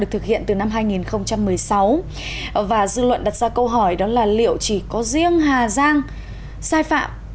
thực hiện từ năm hai nghìn một mươi sáu và dư luận đặt ra câu hỏi đó là liệu chỉ có riêng hà giang sai phạm